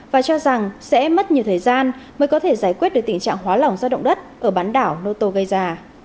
và cho rằng sẽ mất nhiều thời gian mới có thể giải quyết được tình trạng hóa lỏng do động đất ở bản đảo noto geisha